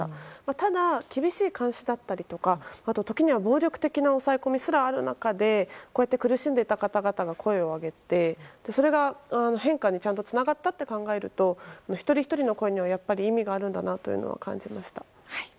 ただ、厳しい監視だったり時には暴力的な抑え込みすらある中でこうやって苦しんでいた方々が声を上げてそれがちゃんと変化につながったと考えると一人ひとりの声にも意味があるんだと感じました。